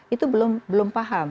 itu belum paham